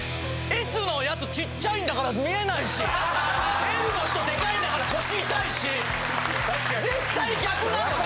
Ｓのやつちっちゃいんだから見えないしＬの人デカいんだから腰痛いし絶対逆なのに。